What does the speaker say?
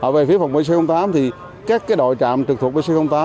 về phía phòng bx tám thì các đội trạm trực thuộc bx tám